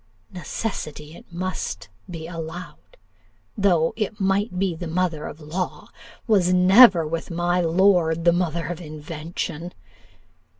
Necessity, it must be allowed, though it might be the mother of law, was never with my lord the mother of invention.